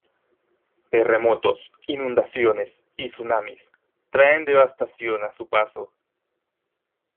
Terremotos, inundaciones y tsunamis traen devastación a su paso.